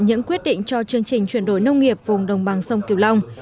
những quyết định cho chương trình chuyển đổi nông nghiệp vùng đồng bằng sông kiều long